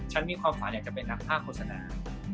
มีความฝันอยากจะเป็นนักภาคโฆษณา